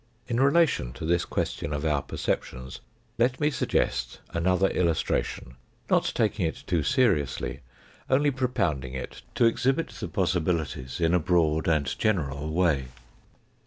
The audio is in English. In relation to this question of our perceptions, let me suggest another illustration, not taking it too seriously, only propounding it to exhibit the possibilities in a broad and general way.